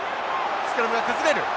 スクラムが崩れる。